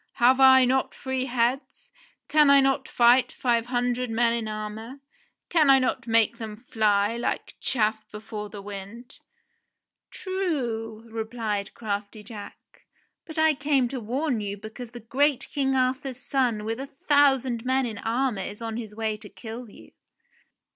Have I not three heads ? Can I not fight five hundred men in armour .? Can I not make them fly like chaff before the wind V "True," replied crafty Jack, "but I came to warn you because the great King Arthur's son with a thousand men in armour is on his way to kill you."